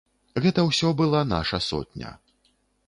Гэта ўсё была наша сотня.